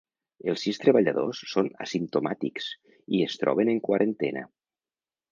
Els sis treballadors són asimptomàtics i es troben en quarantena.